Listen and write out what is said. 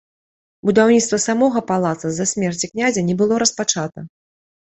Будаўніцтва самога палаца з-за смерці князя не было распачата.